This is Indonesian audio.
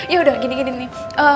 ya udah gini gini nih